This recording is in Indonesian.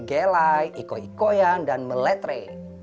gelai iko ikoyang dan meletre